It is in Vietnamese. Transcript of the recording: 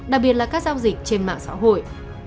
đặc biệt là các giao dịch trên mạng xã hội